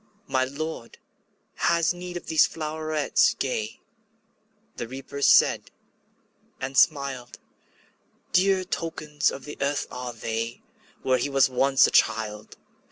``My Lord has need of these flowerets gay,'' The Reaper said, and smiled; ``Dear tokens of the earth are they, Where he was once a child.